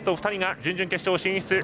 ２人が準々決勝進出。